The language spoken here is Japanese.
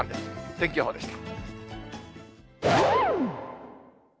天気予報でした。